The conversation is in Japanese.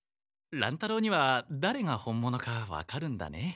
乱太郎にはだれが本物かわかるんだね。